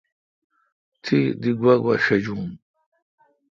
تی دی گوا گوا شجون۔